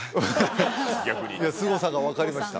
すごさが分かりました